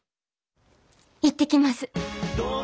行ってきます。